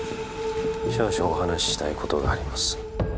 少々お話ししたいことがあります